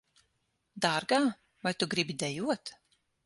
Dārgā, vai tu gribi dejot?